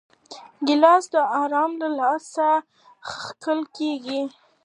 ګیلاس د آرام له لاسه څښل کېږي.